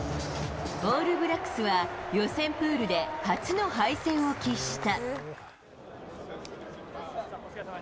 オールブラックスは、予選プールで初の敗戦を喫した。